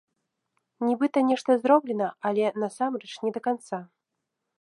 Нібыта нешта зроблена, але насамрэч не да канца.